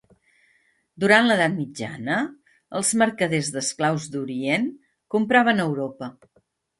Durant l'Edat Mitjana els mercaders d'esclaus d'Orient compraven a Europa.